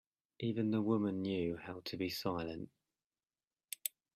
Even the women knew how to be silent.